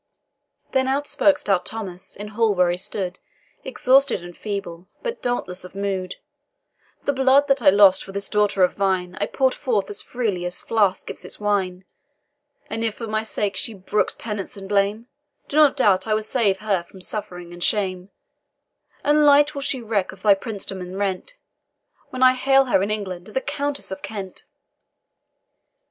Then out spoke stout Thomas, in hall where he stood, Exhausted and feeble, but dauntless of mood: "The blood that I lost for this daughter of thine, I pour'd forth as freely as flask gives its wine; And if for my sake she brooks penance and blame, Do not doubt I will save her from suffering and shame; And light will she reck of thy princedom and rent, When I hail her, in England, the Countess of Kent."